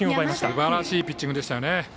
すばらしいピッチングでしたよね。